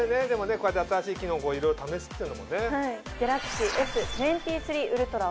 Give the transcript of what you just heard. こうやって新しい機能をいろいろ試すっていうのもね。